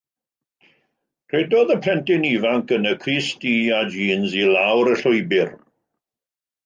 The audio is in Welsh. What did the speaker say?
Rhedodd y plentyn ifanc yn y crys du a jîns i lawr y llwybr.